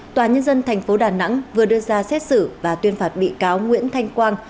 tòa nhân dân tp đà nẵng vừa đưa ra xét xử và tuyên phạt bị cáo nguyễn thanh quang